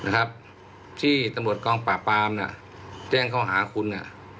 นะครับที่ตำลวดกล้องปาปามน่ะแจ้งเขาหาคุณน่ะ